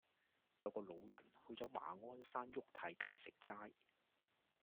有個老人去左馬鞍山沃泰街食齋